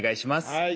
はい。